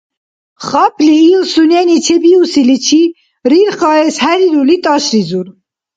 Хапли ил, сунени чебиусиличи рирхаэс хӀерирули, тӀашризур.